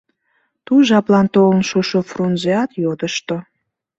Ту жаплан толын шушо Фрунзеат йодышто.